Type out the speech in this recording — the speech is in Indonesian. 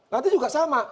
nanti juga sama